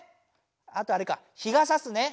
あとあれか日がさすね。